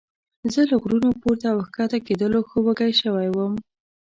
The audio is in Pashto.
زه له غرونو پورته او ښکته کېدلو ښه وږی شوی وم.